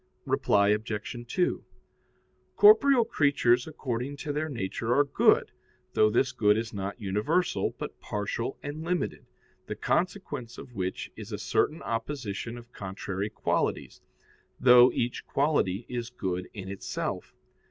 Reply Obj. 2: Corporeal creatures according to their nature are good, though this good is not universal, but partial and limited, the consequence of which is a certain opposition of contrary qualities, though each quality is good in itself.